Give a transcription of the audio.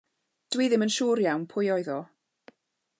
Dw i ddim yn siŵr iawn pwy oedd o.